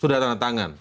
sudah tanah tangan